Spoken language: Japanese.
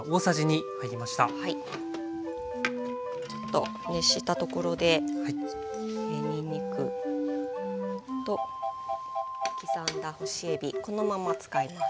ちょっと熱したところでにんにくと刻んだ干しえびこのまま使います。